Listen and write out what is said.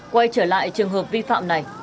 quay trở lại trường hợp vi phạm này